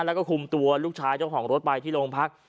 แล้วก็คุมตัวลูกชายเจ้าของรถไปที่โรงพัก